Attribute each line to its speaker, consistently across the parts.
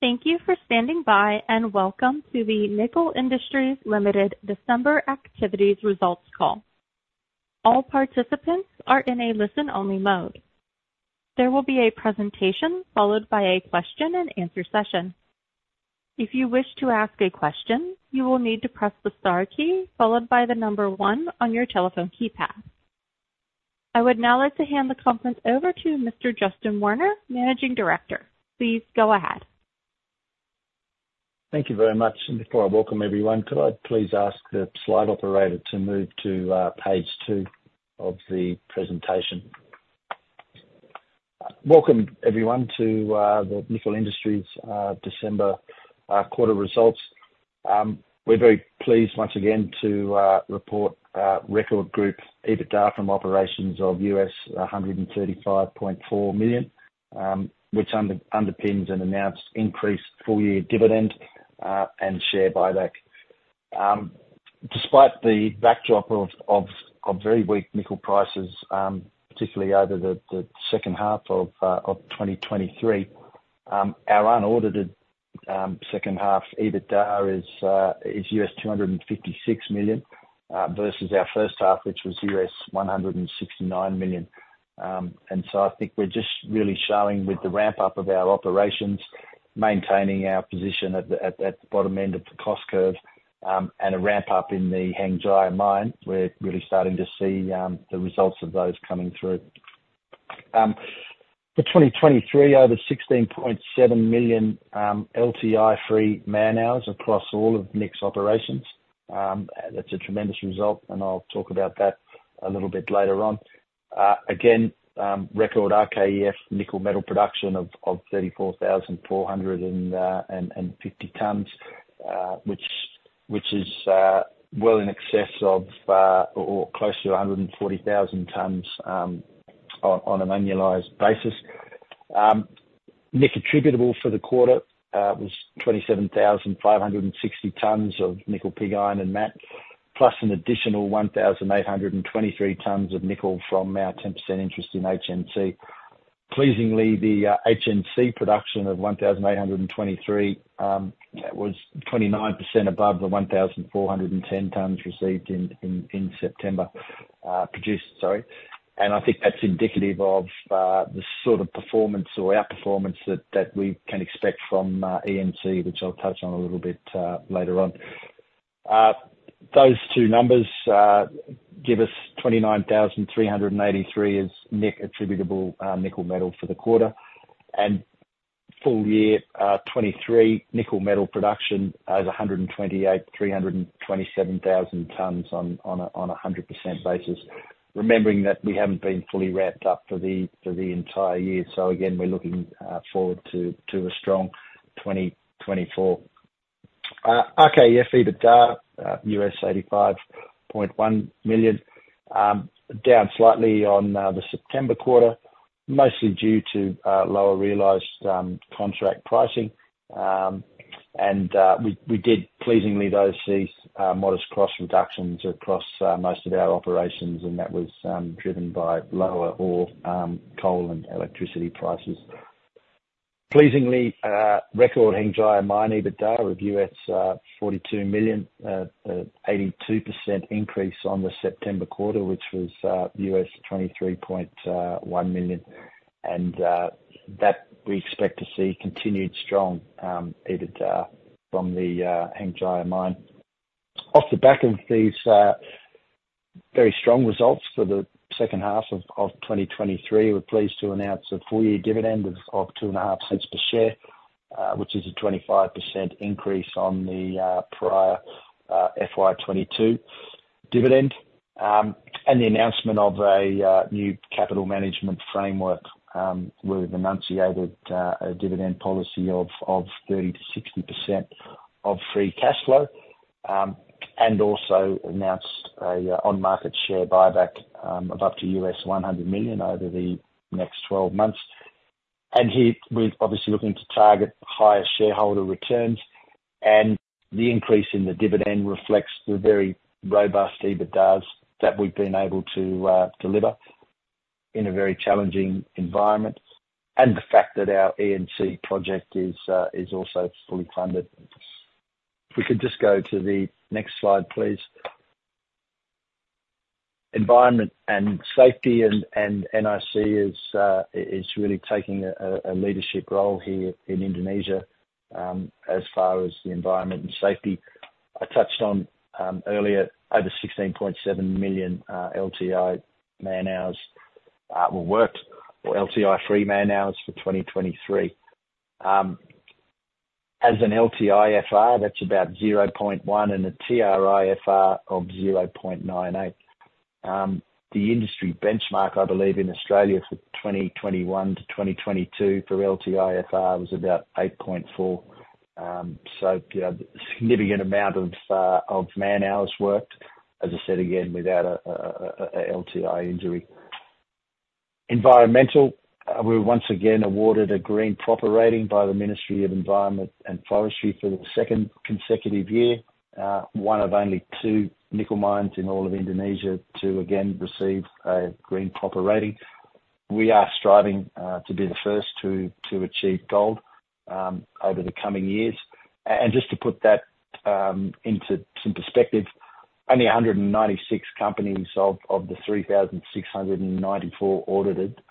Speaker 1: Thank you for standing by, and welcome to the Nickel Industries Limited December Activities Results Call. All participants are in a listen-only mode. There will be a presentation followed by a question-and-answer session. If you wish to ask a question, you will need to press the star key followed by the number one on your telephone keypad. I would now like to hand the conference over to Mr. Justin Werner, Managing Director. Please go ahead.
Speaker 2: Thank you very much, and before I welcome everyone, could I please ask the slide operator to move to page 2 of the presentation? Welcome, everyone, to the Nickel Industries December quarter results. We're very pleased once again to report record group EBITDA from operations of $135.4 million, which underpins an announced increased full-year dividend and share buyback. Despite the backdrop of very weak nickel prices, particularly over the second half of 2023, our unaudited second half EBITDA is $256 million versus our first half, which was $169 million. And so I think we're just really showing with the ramp-up of our operations, maintaining our position at the bottom end of the cost curve, and a ramp-up in the Hengjaya Mine. We're really starting to see the results of those coming through. For 2023, over 16.7 million LTI-free man hours across all of NIC's operations. That's a tremendous result, and I'll talk about that a little bit later on. Again, record RKEF nickel metal production of 34,450 tons, which is well in excess of or close to 140,000 tons on an annualized basis. Nickel attributable for the quarter was 27,560 tons of nickel pig iron and matte, plus an additional 1,823 tons of nickel from our 10% interest in HNC. Pleasingly, the HNC production of 1,823 was 29% above the 1,410 tons received in September produced, sorry. And I think that's indicative of the sort of performance or outperformance that we can expect from ENC, which I'll touch on a little bit later on. Those two numbers give us 29,383 as NIC attributable nickel metal for the quarter, and full year 2023 nickel metal production as 128,327 tons on a 100% basis. Remembering that we haven't been fully ramped up for the entire year. So again, we're looking forward to a strong 2024. RKEF EBITDA $85.1 million, down slightly on the September quarter, mostly due to lower realized contract pricing. We did pleasingly though see modest cost reductions across most of our operations, and that was driven by lower ore, coal and electricity prices. Pleasingly, record Hengjaya Mine EBITDA of $42 million, 82% increase on the September quarter, which was $23.1 million. And that we expect to see continued strong EBITDA from the Hengjaya Mine. Off the back of these very strong results for the second half of 2023, we're pleased to announce a full-year dividend of 2.5 cents per share, which is a 25% increase on the prior FY 2022 dividend. And the announcement of a new capital management framework, where we've enunciated a dividend policy of 30%-60% of free cash flow. And also announced a on-market share buyback of up to $100 million over the next 12 months. Here we're obviously looking to target higher shareholder returns, and the increase in the dividend reflects the very robust EBITDA that we've been able to deliver in a very challenging environment, and the fact that our ENC project is also fully funded. If we could just go to the next slide, please. Environment and safety, and NIC is really taking a leadership role here in Indonesia, as far as the environment and safety. I touched on earlier, over 16.7 million LTI-free man hours were worked or LTI-free man hours for 2023. As an LTIFR, that's about 0.1 and a TRIFR of 0.98. The industry benchmark, I believe, in Australia for 2021-2022 for LTIFR was about 8.4. So, a significant amount of man hours worked, as I said again, without a LTI injury. Environmental, we were once again awarded a Green PROPER Rating by the Ministry of Environment and Forestry for the second consecutive year. One of only two nickel mines in all of Indonesia to again receive a Green PROPER Rating. We are striving to do the first to achieve gold over the coming years. And just to put that into some perspective, only 196 companies of the 3,694 audited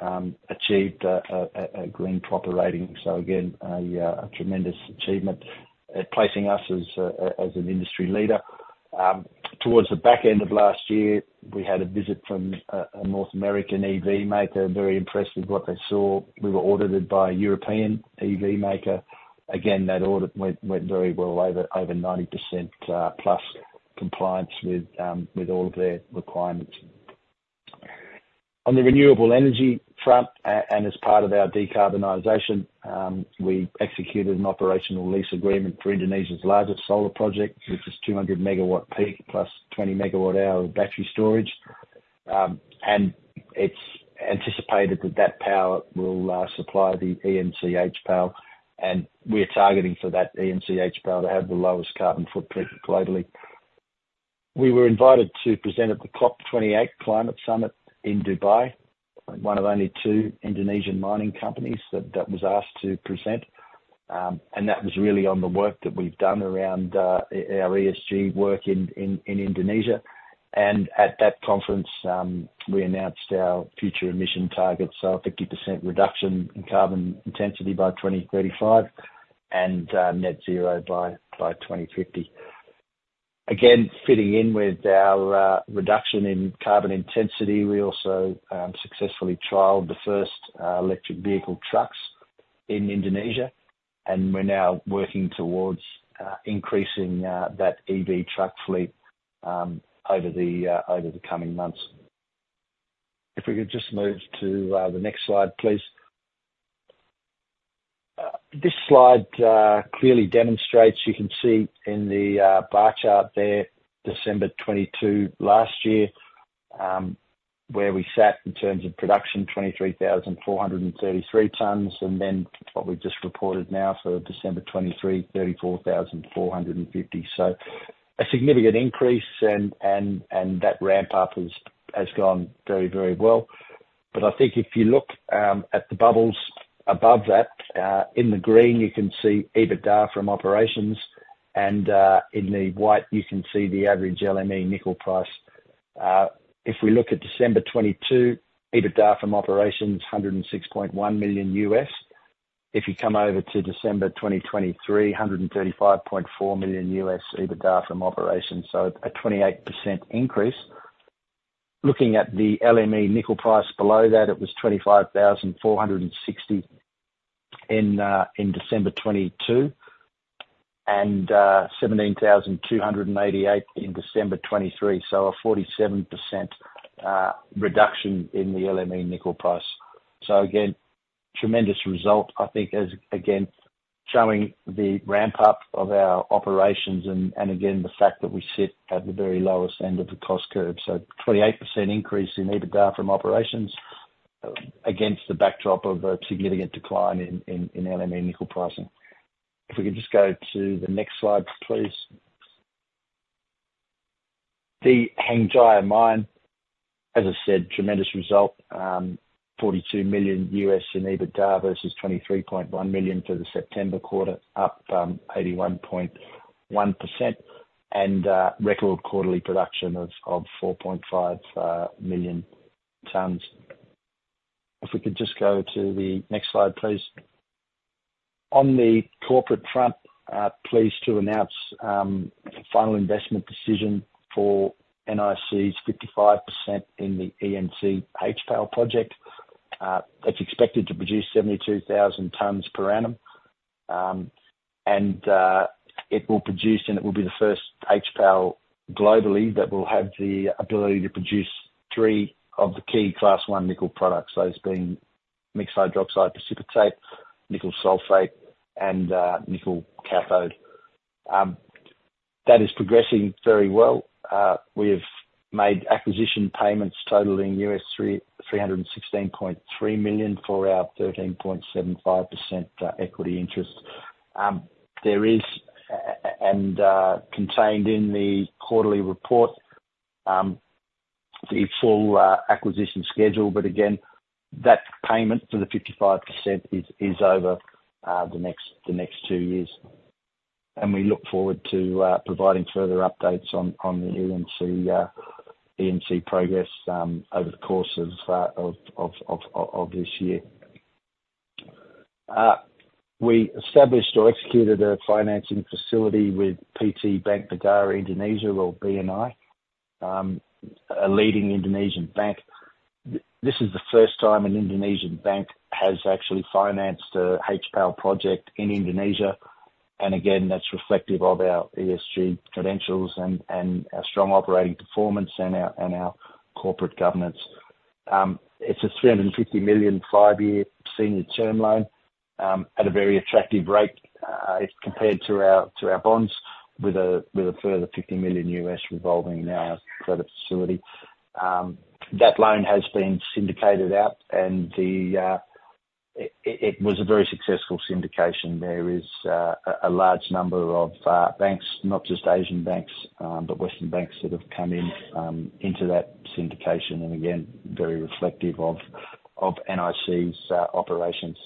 Speaker 2: achieved a Green PROPER Rating. So again, a tremendous achievement at placing us as an industry leader. Towards the back end of last year, we had a visit from a North American EV maker, very impressed with what they saw. We were audited by a European EV maker. Again, that audit went very well, over 90% plus compliance with all of their requirements. On the renewable energy front, and as part of our decarbonization, we executed an operational lease agreement for Indonesia's largest solar project, which is 200 MW peak plus 20 MWh battery storage. And it's anticipated that that power will supply the IMIP power, and we're targeting for that IMIP power to have the lowest carbon footprint globally. We were invited to present at the COP28 Climate Summit in Dubai, one of only two Indonesian mining companies that was asked to present. And that was really on the work that we've done around our ESG work in Indonesia. And at that conference, we announced our future emission targets, so a 50% reduction in carbon intensity by 2035, and net zero by 2050. Again, fitting in with our reduction in carbon intensity, we also successfully trialed the first electric vehicle trucks in Indonesia, and we're now working towards increasing that EV truck fleet over the coming months. If we could just move to the next slide, please. This slide clearly demonstrates, you can see in the bar chart there, December 2022 last year, where we sat in terms of production, 23,433 tons, and then what we've just reported now for December 2023, 34,450 tons. So a significant increase and that ramp up has gone very, very well. But I think if you look at the bubbles above that, in the green, you can see EBITDA from operations, and in the white, you can see the average LME nickel price. If we look at December 2022, EBITDA from operations, $106.1 million. If you come over to December 2023, $135.4 million EBITDA from operations, so a 28% increase. Looking at the LME nickel price below that, it was $25,460 in December 2022, and $17,298 in December 2023, so a 32% reduction in the LME nickel price. So again, tremendous result, I think, as again, showing the ramp up of our operations and again, the fact that we sit at the very lowest end of the cost curve. So 28% increase in EBITDA from operations against the backdrop of a significant decline in LME nickel pricing. If we could just go to the next slide, please. The Hengjaya Mine, as I said, tremendous result, $42 million in EBITDA versus $23.1 million for the September quarter, up 81.1%, and record quarterly production of 4.5 million tons. If we could just go to the next slide, please. On the corporate front, pleased to announce final investment decision for NIC's 55% in the ENC HPAL project. That's expected to produce 72,000 tons per annum. And it will produce, and it will be the first HPAL globally, that will have the ability to produce three of the key Class 1 nickel products, those being Mixed Hydroxide Precipitate, nickel sulfate, and nickel cathode. That is progressing very well. We have made acquisition payments totaling $316.3 million for our 13.75% equity interest. There is, and contained in the quarterly report, the full acquisition schedule, but again, that payment for the 55% is over the next two years. We look forward to providing further updates on the ENC progress over the course of this year. We established or executed a financing facility with PT Bank Negara Indonesia, or BNI, a leading Indonesian bank. This is the first time an Indonesian bank has actually financed a HPAL project in Indonesia, and again, that's reflective of our ESG credentials and our strong operating performance and our corporate governance. It's a $350 million, 5-year senior term loan at a very attractive rate, if compared to our bonds, with a further $50 million revolving in our credit facility. That loan has been syndicated out, and it was a very successful syndication. There is a large number of banks, not just Asian banks, but Western banks that have come into that syndication, and again, very reflective of NIC's operations.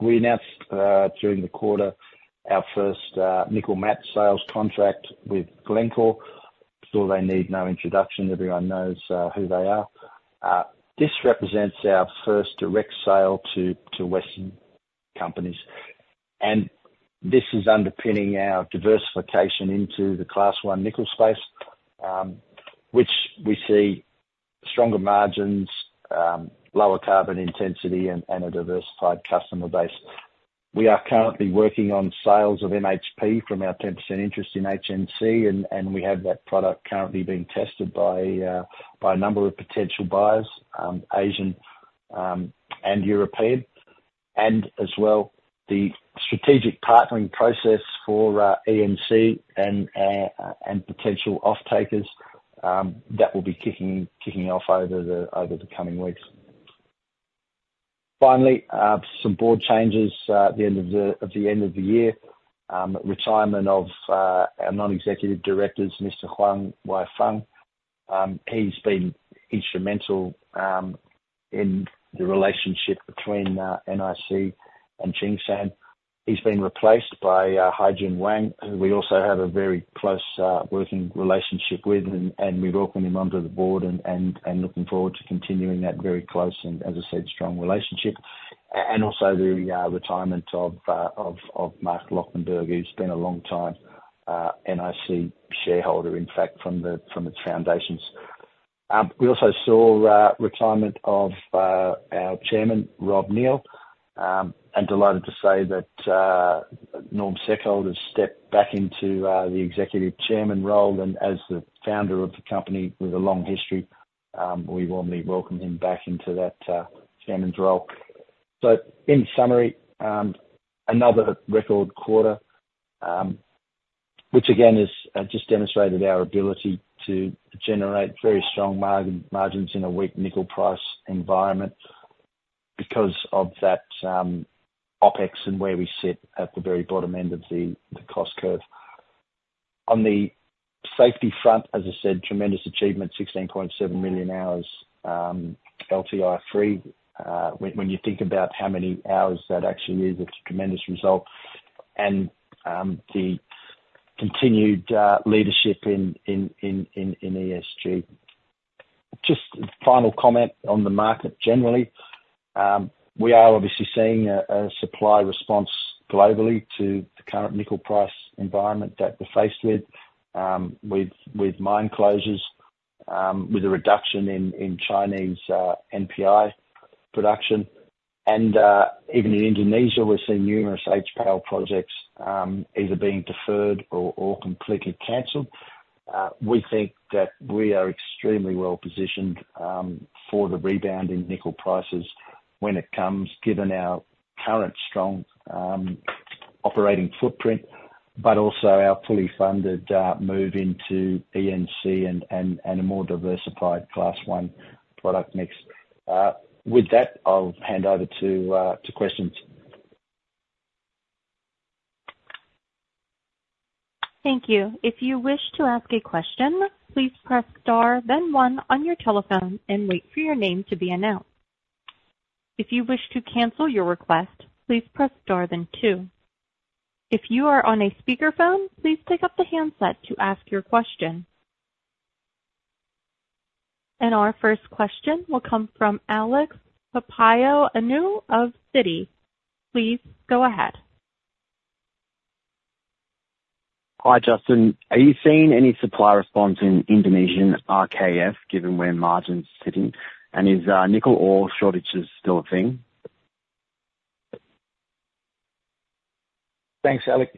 Speaker 2: We announced during the quarter, our first nickel matte sales contract with Glencore. I'm sure they need no introduction. Everyone knows who they are. This represents our first direct sale to Western companies, and this is underpinning our diversification into the Class 1 nickel space, which we see stronger margins, lower carbon intensity, and a diversified customer base. We are currently working on sales of MHP from our 10% interest in HNC, and we have that product currently being tested by a number of potential buyers, Asian, and European. And as well, the strategic partnering process for ENC and potential off-takers that will be kicking off over the coming weeks. Finally, some board changes at the end of the year. Retirement of our non-executive directors, Mr. Huang Weifeng. He's been instrumental in the relationship between NIC and Tsingshan. He's been replaced by Haijun Wang, who we also have a very close working relationship with, and we welcome him onto the board and looking forward to continuing that very close, and as I said, strong relationship. And also the retirement of Mark Lochtenberg, who's been a long time NIC shareholder, in fact, from its foundations. We also saw retirement of our chairman, Rob Neale, and delighted to say that Norman Seckold has stepped back into the executive chairman role, and as the founder of the company with a long history, we warmly welcome him back into that chairman's role. So in summary, another record quarter, which again is just demonstrated our ability to generate very strong margin, in a weak nickel price environment because of that OpEx, and where we sit at the very bottom end of the cost curve. On the safety front, as I said, tremendous achievement, 16.7 million LTI-free hours. When you think about how many hours that actually is, it's a tremendous result and the continued leadership in ESG. Just final comment on the market generally. We are obviously seeing a supply response globally to the current nickel price environment that we're faced with, with mine closures, with a reduction in Chinese NPI production, and even in Indonesia, we're seeing numerous HPAL projects either being deferred or completely canceled. We think that we are extremely well positioned for the rebound in nickel prices when it comes, given our current strong operating footprint, but also our fully funded move into ENC and a more diversified Class 1 product mix. With that, I'll hand over to questions.
Speaker 1: Thank you. If you wish to ask a question, please press star then one on your telephone and wait for your name to be announced. If you wish to cancel your request, please press star then two. If you are on a speakerphone, please pick up the handset to ask your question. Our first question will come from Alex Papaioannou of Citi. Please go ahead.
Speaker 3: Hi, Justin. Are you seeing any supply response in Indonesian RKEF, given where margin's sitting? And is nickel ore shortages still a thing?
Speaker 2: Thanks, Alex.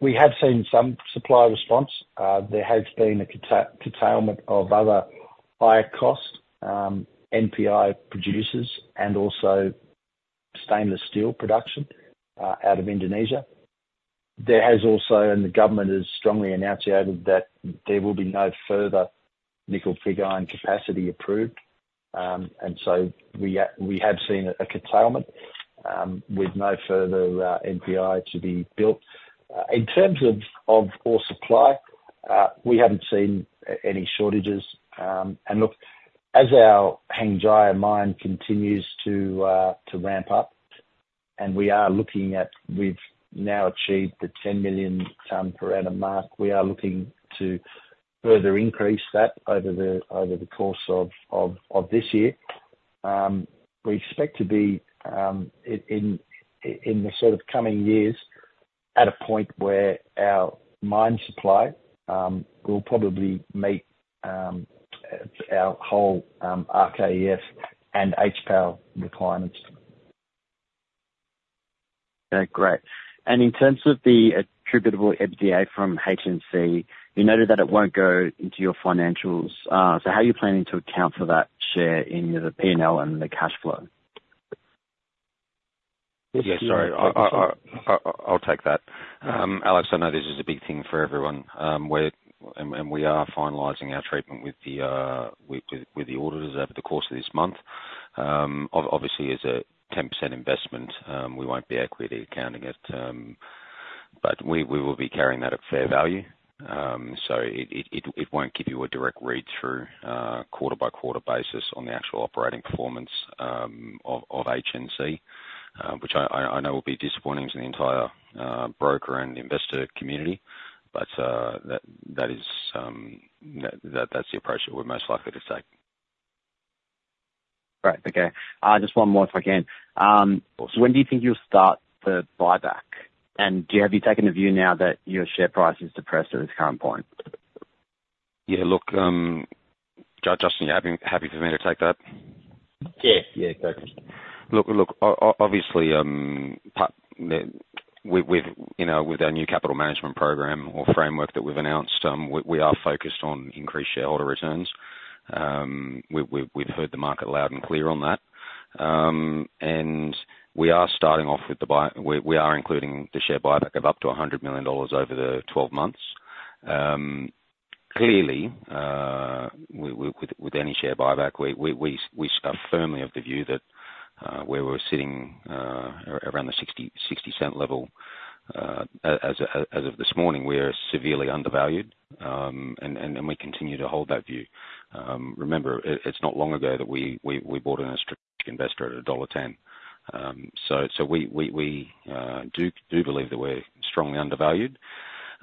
Speaker 2: We have seen some supply response. There has been a curtailment of other higher cost NPI producers and also stainless steel production out of Indonesia. There has also, and the government has strongly enunciated that there will be no further nickel pig iron capacity approved. And so we have seen a curtailment with no further NPI to be built. In terms of ore supply, we haven't seen any shortages. And look, as our Hengjaya Mine continues to ramp up, and we are looking at. We've now achieved the 10 million tons per annum mark. We are looking to further increase that over the course of this year. We expect to be in the sort of coming years, at a point where our mine supply will probably meet our whole RKEF and HPAL requirements.
Speaker 3: Okay, great. And in terms of the attributable EBITDA from HNC, you noted that it won't go into your financials. So how are you planning to account for that share in the P&L and the cash flow?...
Speaker 4: Yeah, sorry, I'll take that. Alex, I know this is a big thing for everyone. We're and we are finalizing our treatment with the auditors over the course of this month. Obviously, as a 10% investment, we won't be equity accounting it, but we will be carrying that at fair value. So it won't give you a direct read-through quarter by quarter basis on the actual operating performance of HNC. Which I know will be disappointing to the entire broker and investor community, but that is the approach that we're most likely to take.
Speaker 3: Right. Okay. Just one more, if I can. So when do you think you'll start the buyback, and do you-- have you taken the view now that your share price is depressed at its current point?
Speaker 4: Yeah, look, Justin, are you happy, happy for me to take that?
Speaker 3: Yeah. Yeah, go ahead.
Speaker 4: Look, obviously, with you know, with our new capital management program or framework that we've announced, we are focused on increased shareholder returns. We've heard the market loud and clear on that. We are starting off with the buyback. We are including the share buyback of up to 100 million dollars over the 12 months. Clearly, with any share buyback, we are firmly of the view that, where we're sitting, around the 0.60 level, as of this morning, we are severely undervalued, and we continue to hold that view. Remember, it's not long ago that we bought in a strategic investor at dollar 1.10. So, we believe that we're strongly undervalued.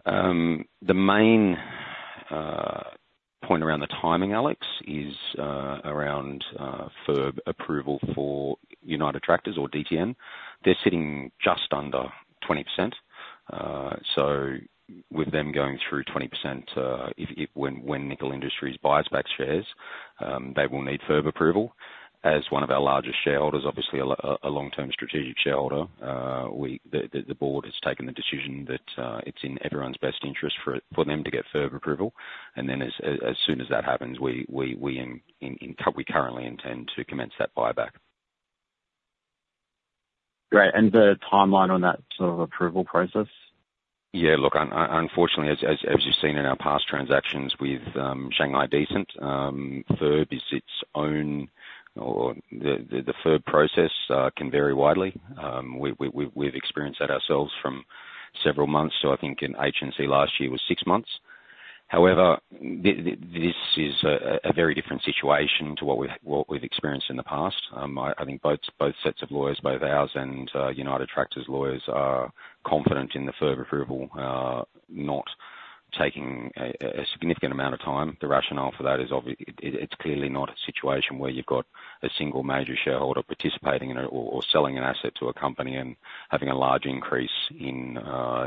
Speaker 4: The main point around the timing, Alex, is around FIRB approval for United Tractors or DTN. They're sitting just under 20%. So with them going through 20%, if and when Nickel Industries buys back shares, they will need FIRB approval. As one of our largest shareholders, obviously a long-term strategic shareholder, the board has taken the decision that it's in everyone's best interest for them to get FIRB approval. And then as soon as that happens, we currently intend to commence that buyback.
Speaker 3: Great, and the timeline on that sort of approval process?
Speaker 4: Yeah, look, unfortunately, as you've seen in our past transactions with Shanghai Decent, FIRB is its own or the FIRB process can vary widely. We've experienced that ourselves from several months. So I think in HNC last year was six months. However, this is a very different situation to what we've experienced in the past. I think both sets of lawyers, both ours and United Tractors' lawyers are confident in the FIRB approval not taking a significant amount of time. The rationale for that is obviously, it's clearly not a situation where you've got a single major shareholder participating in or selling an asset to a company and having a large increase in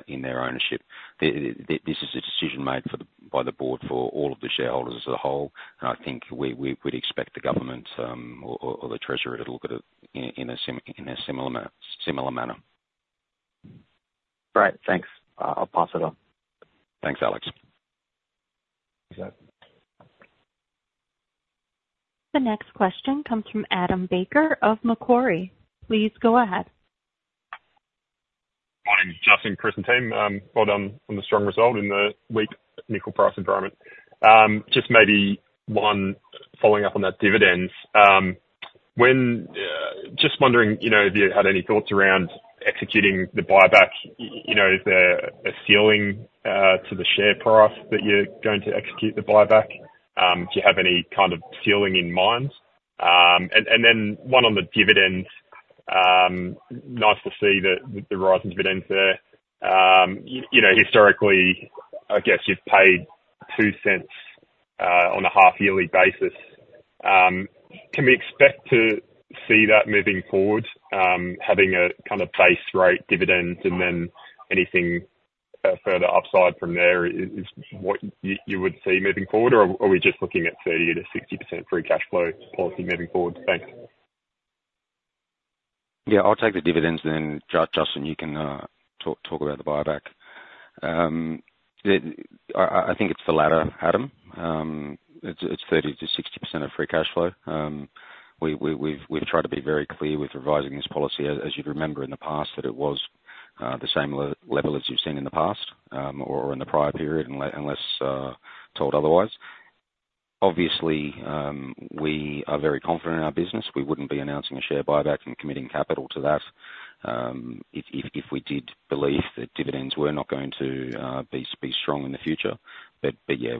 Speaker 4: their ownership. This is a decision made for the... by the board for all of the shareholders as a whole, and I think we'd expect the government, or the treasury to look at it in a similar manner.
Speaker 3: Great, thanks. I'll pass it on.
Speaker 4: Thanks, Alex.
Speaker 1: The next question comes from Adam Baker of Macquarie. Please go ahead.
Speaker 5: Morning, Justin, Chris, and team, well done on the strong result in the weak nickel price environment. Just maybe one following up on that, dividends. Just wondering, you know, if you had any thoughts around executing the buyback, you know, is there a ceiling to the share price that you're going to execute the buyback? Do you have any kind of ceiling in mind? And then one on the dividends, nice to see the rise in dividends there. You know, historically, I guess you've paid 0.02 on a half-yearly basis. Can we expect to see that moving forward, having a kind of base rate dividend and then anything further upside from there is what you would see moving forward? Or are we just looking at 30%-60% free cash flow policy moving forward? Thanks.
Speaker 4: Yeah, I'll take the dividends, then Justin, you can talk about the buyback. I think it's the latter, Adam. It's 30%-60% of free cash flow. We've tried to be very clear with revising this policy, as you'd remember in the past, that it was the same level as you've seen in the past, or in the prior period, unless told otherwise. Obviously, we are very confident in our business. We wouldn't be announcing a share buyback and committing capital to that, if we did believe that dividends were not going to be strong in the future. But yeah,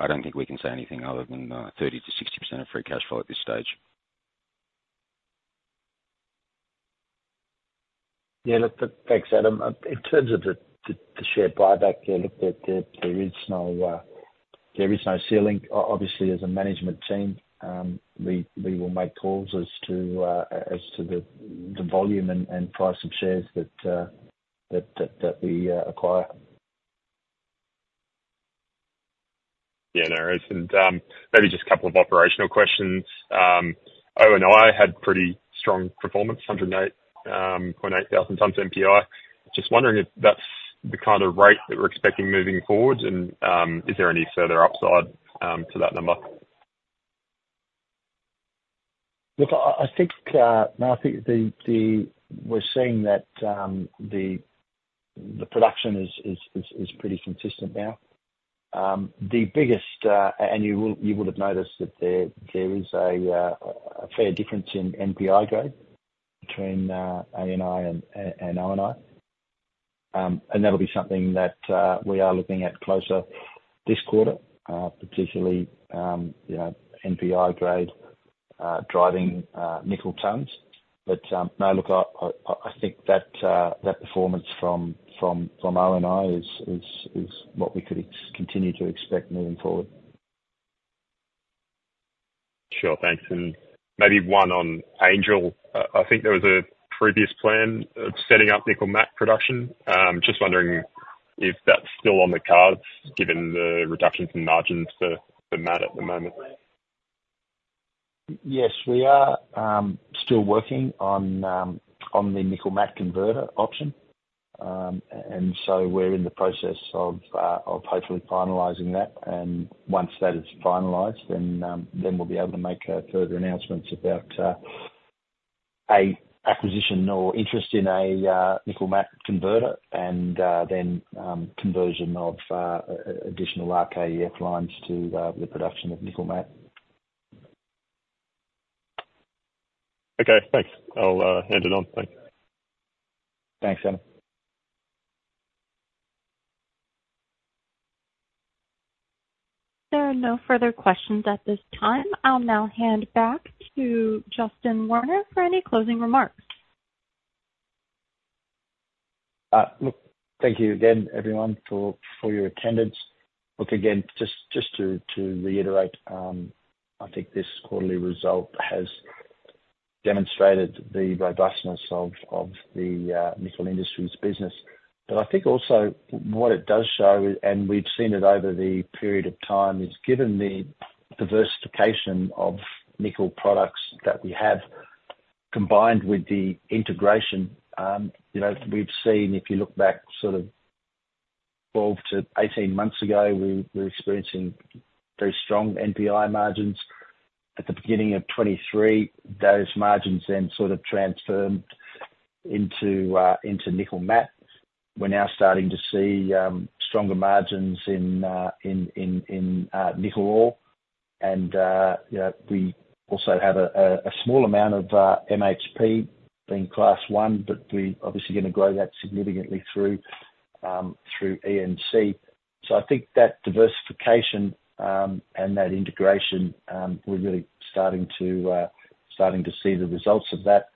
Speaker 4: I don't think we can say anything other than 30%-60% of free cash flow at this stage.
Speaker 2: Yeah, look, thanks, Adam. In terms of the share buyback, there is no ceiling. Obviously, as a management team, we will make calls as to the volume and price of shares that we acquire.
Speaker 5: Yeah, no, and maybe just a couple of operational questions. ONI had pretty strong performance, 108,800 tons NPI. Just wondering if that's the kind of rate that we're expecting moving forward, and is there any further upside to that number?...
Speaker 2: Look, I think we're seeing that the production is pretty consistent now. The biggest and you would have noticed that there is a fair difference in NPI grade between ANI and ONI. And that'll be something that we are looking at closer this quarter, particularly, you know, NPI grade driving nickel tonnes. But no, look, I think that that performance from ONI is what we could continue to expect moving forward.
Speaker 5: Sure. Thanks. And maybe one on Angel. I think there was a previous plan of setting up nickel matte production. Just wondering if that's still on the cards, given the reductions in margins for the matte at the moment?
Speaker 2: Yes, we are still working on the nickel matte converter option. And so we're in the process of hopefully finalizing that. And once that is finalized, then we'll be able to make further announcements about an acquisition or interest in a nickel matte converter and then conversion of additional RKEF lines to the production of nickel matte.
Speaker 5: Okay, thanks. I'll hand it on. Thanks.
Speaker 2: Thanks, Adam.
Speaker 1: There are no further questions at this time. I'll now hand back to Justin Werner for any closing remarks.
Speaker 2: Look, thank you again, everyone, for your attendance. Look, again, just to reiterate, I think this quarterly result has demonstrated the robustness of the Nickel Industries' business. But I think also what it does show, and we've seen it over the period of time, is given the diversification of nickel products that we have, combined with the integration, you know, we've seen, if you look back sort of 12-18 months ago, we were experiencing very strong NPI margins. At the beginning of 2023, those margins then sort of transformed into nickel matte. We're now starting to see stronger margins in nickel ore. And, you know, we also have a small amount of MHP being Class 1, but we're obviously going to grow that significantly through ENC. So I think that diversification, and that integration, we're really starting to see the results of that.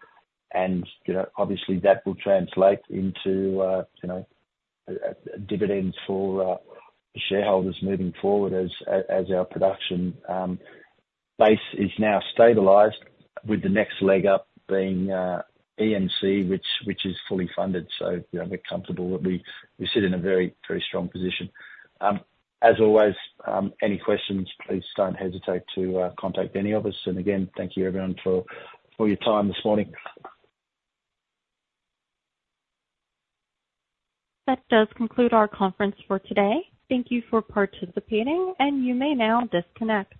Speaker 2: And, you know, obviously, that will translate into, you know, dividends for the shareholders moving forward as our production base is now stabilized, with the next leg up being ENC, which is fully funded. So, you know, we're comfortable that we sit in a very, very strong position. As always, any questions, please don't hesitate to contact any of us. And again, thank you, everyone, for your time this morning.
Speaker 1: That does conclude our conference for today. Thank you for participating, and you may now disconnect.